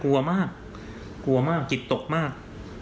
กลัวมากกลัวมากจิตตกมาก